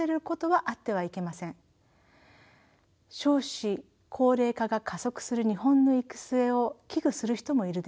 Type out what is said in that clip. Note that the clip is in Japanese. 少子高齢化が加速する日本の行く末を危惧する人もいるでしょう。